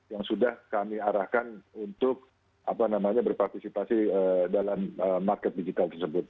yang sudah kami arahkan untuk berpartisipasi dalam market digital tersebut